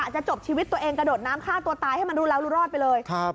จะจบชีวิตตัวเองกระโดดน้ำฆ่าตัวตายให้มันรู้แล้วรู้รอดไปเลย